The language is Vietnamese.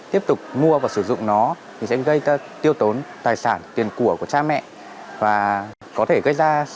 tiếp tục mua và sử dụng nó thì sẽ gây ra tiêu tốn tài sản tiền của cha mẹ và có thể gây ra